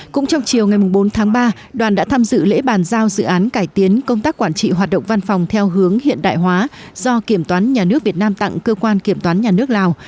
cũng trong chiều ngày bốn tháng ba đoàn đã tham dự lễ bàn giao dự án cải tiến công tác quản trị hoạt động văn phòng theo hướng hiện đại hóa do kiểm toán nhà nước việt nam tặng cơ quan kiểm toán nhà nước lào